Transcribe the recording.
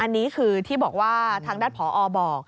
อันนี้คือที่บอกว่าทางด้านผอบอก